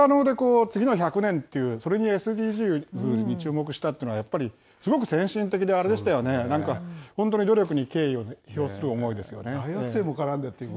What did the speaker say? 持続可能で次の１００年っていう、それにＳＤＧｓに注目したっていうのは、やっぱりすごく先進的であれでしたよね、本当に努力に敬意を表する思いですよね。